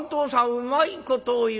うまいことを言う。